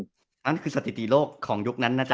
นั่นคือสถิติโลกของยุคนั้นนะจ๊